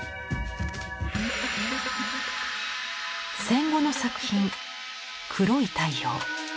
戦後の作品「黒い太陽」。